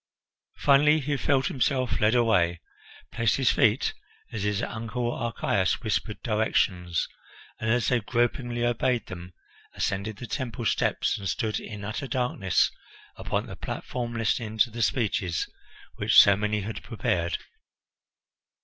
Finally he felt himself led away, placed his feet as his Uncle Archias whispered directions, and as they gropingly obeyed them ascended the temple steps and stood in utter darkness upon the platform listening to the speeches which so many had prepared.